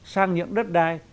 sang những đất đai